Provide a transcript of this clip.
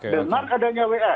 dengan adanya wa